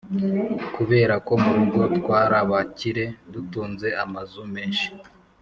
Kubera ko murugo twarabakire dutunze amazu menshi